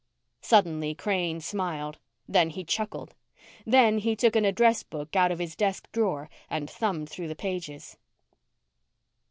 Suddenly Crane smiled. Then he chuckled. Then he took an address book out of his desk drawer and thumbed through the pages.